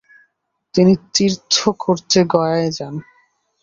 তিনি তীর্থ করতে গয়ায় যান।